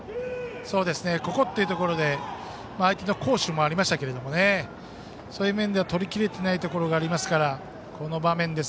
ここというところで相手の好守もありましたがそういう面では取りきれてない面がありますから。